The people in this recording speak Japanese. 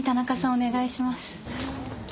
お願いします。